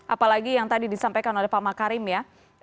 apalagi yang tadi disampaikan oleh pak makarim ya